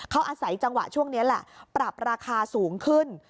เขาอาศัยจังหวะช่วงนี้แหละปรับราคาสูงขึ้น